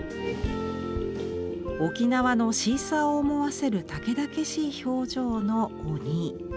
沖縄のシーサーを思わせる猛々しい表情の「おに」。